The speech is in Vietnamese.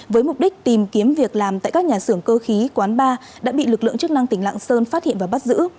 với mục đích tìm kiếm việc làm tại các nhà xưởng cơ khí quán bar đã bị lực lượng chức năng tỉnh lạng sơn phát hiện và bắt giữ